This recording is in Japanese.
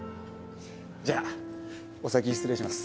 じゃあお先失礼します。